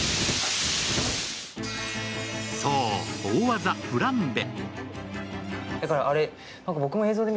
そう、大技、フランベ。